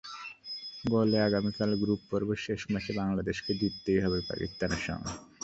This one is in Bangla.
গলে আগামীকাল গ্রুপ পর্বের শেষ ম্যাচে বাংলাদেশকে জিততেই হবে পাকিস্তানের সঙ্গে।